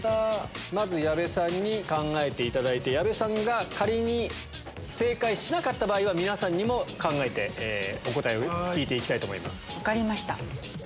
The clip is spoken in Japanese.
まず矢部さんに考えていただいて矢部さんが仮に正解しなかった場合は皆さんにも考えてお答えを聞いて行きたいと思います。